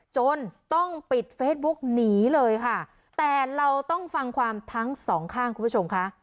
จนต้องปิดเฟซบุ๊กหนีเลยค่ะแต่เราต้องฟังความทั้งสองข้างคุณผู้ชมค่ะ